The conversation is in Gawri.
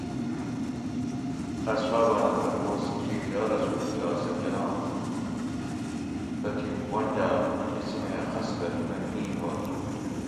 اصحاباۤنہ تپوس کیر یارسول اللّہ سہ کناں؟ تتھی پنجاۤ قسمیں خصلتونہ اِیں ہوگ